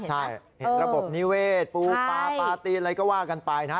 ใช่เห็นระบบนิเวศปูปลาปลาตีนอะไรก็ว่ากันไปนะ